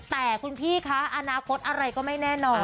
แต่คุณพี่คะอนาคตอะไรก็ไม่แน่นอน